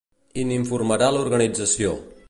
I n’informarà l’organització.